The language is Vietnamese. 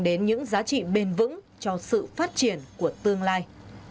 đến những giá trị bền vững cho sự phát triển của tương lai